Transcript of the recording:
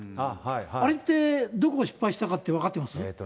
あれって、どこを失敗したかって分かってます？